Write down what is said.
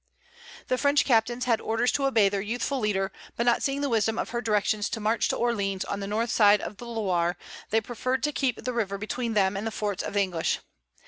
The French captains had orders to obey their youthful leader, but not seeing the wisdom of her directions to march to Orleans on the north side of the Loire, they preferred to keep the river between them and the forts of the English.